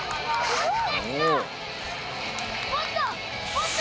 ・もっと！